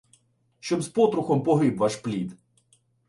Щоб з потрухом погиб ваш плід!